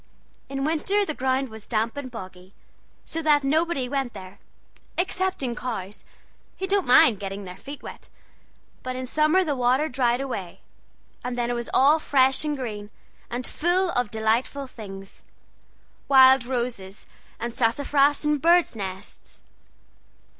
In winter the ground was damp and boggy, so that nobody went there, excepting cows, who don't mind getting their feet wet; but in summer the water dried away, and then it was all fresh and green, and full of delightful things wild roses, and sassafras, and birds' nests.